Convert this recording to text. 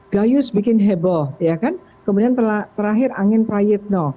gayus bikin heboh kemudian terakhir angin prayetno